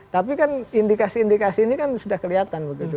tapi kan indikasi indikasi ini kan sudah kelihatan begitu